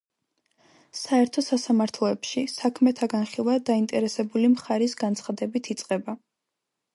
საერთო სასამართლოებში საქმეთა განხილვა დაინტერესებული მხარის განცხადებით იწყება.